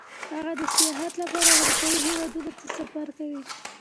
هغه د سیاحت لپاره اروپايي هېوادونو ته سفر کوي